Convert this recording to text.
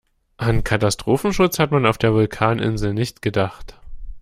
An Katastrophenschutz hat man auf der Vulkaninsel nicht gedacht.